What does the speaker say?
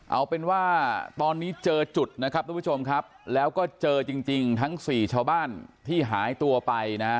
เอาเป็นว่าตอนนี้เจอจุดนะครับทุกผู้ชมครับแล้วก็เจอจริงทั้งสี่ชาวบ้านที่หายตัวไปนะฮะ